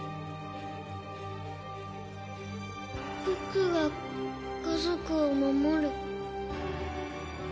僕が家族を守る。